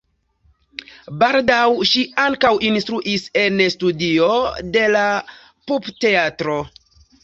Baldaŭ ŝi ankaŭ instruis en studio de la Pupteatro.